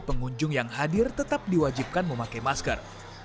pengunjung yang hadir tetap diwajibkan memakai masker